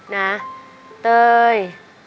นะเต้ย